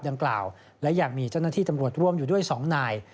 ดังกล่าวและยังมีเจ้าหน้าที่ตำรวจร่วมอยู่ด้วย๒นาย